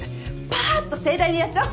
パーッと盛大にやっちゃお？